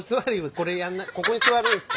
ここに座るんですか？